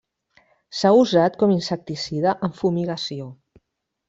S'ha usat com insecticida en fumigació.